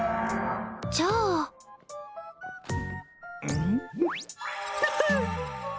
じゃあうん？